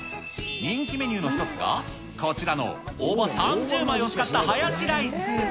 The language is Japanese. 人気メニューの一つが、こちらの大葉３０枚を使ったハヤシライス。